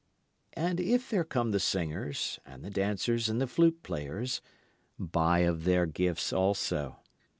And if there come the singers and the dancers and the flute players, buy of their gifts also.